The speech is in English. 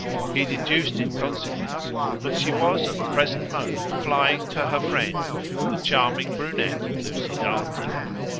He deduced in consequence that she was at the present moment flying to her friend, the charming brunette Lucy Darleton.